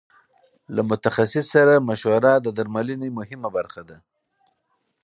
له متخصص سره مشوره د درملنې مهمه برخه ده.